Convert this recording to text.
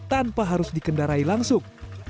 tanpa harus dikendarai langsung